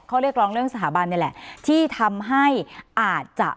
ข้อเรียกรองเรื่องสถาบันที่ทำให้อาจจะ